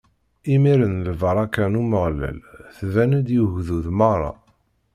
Imiren lbaṛaka n Umeɣlal tban-d i ugdud meṛṛa.